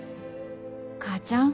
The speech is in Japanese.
母ちゃん。